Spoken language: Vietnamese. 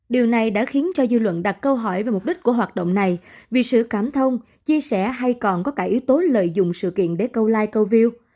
điều này đã khiến cho dư luận đặt câu hỏi về mục đích của hoạt động này vì sự cảm thông chia sẻ hay còn có cả yếu tố lợi dụng sự kiện để câu like câu view